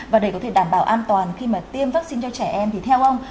và để có thể đảm bảo an toàn khi mà tiêm vaccine cho trẻ em thì theo ông